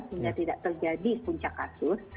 sehingga tidak terjadi puncak kasus